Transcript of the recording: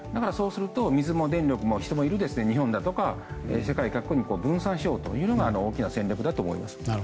水、電力、人もいる日本とか世界各国に分散しようというのが大きな戦略だと思います。